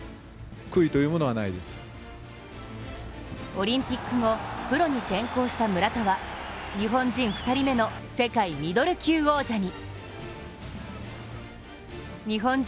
オリンピック後、プロに転向した村田は日本人２人目の世界ミドル級王者に。